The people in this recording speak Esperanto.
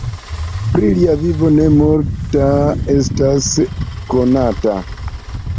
Pri lia vivo ne multa estas konata.